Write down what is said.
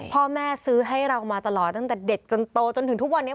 พ่อแม่ซื้อให้เรามาตลอดตั้งแต่เด็กจนโตจนถึงทุกวันนี้